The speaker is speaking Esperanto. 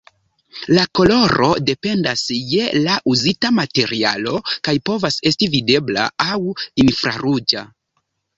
La koloro dependas je la uzita materialo, kaj povas esti videbla aŭ infraruĝa.